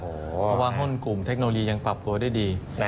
เพราะว่าหุ้นกลุ่มเทคโนโลยียังปรับตัวได้ดี